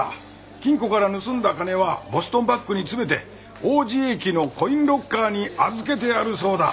金庫から盗んだ金はボストンバッグに詰めて王子駅のコインロッカーに預けてあるそうだ。